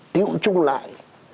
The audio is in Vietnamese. tiệu trung lại